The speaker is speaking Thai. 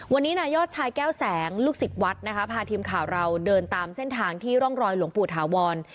วันนี้นายอดชายแก้วแสงลูกศิษย์วัดนะคะพาทีมข่าวเราเดินตามเส้นทางที่ร่องรอยหลวงปู่ถาวร